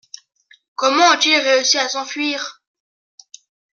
Comment ont-ils réussi à s’enfuir ?